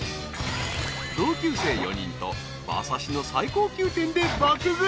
［同級生４人と馬刺しの最高級店で爆食い］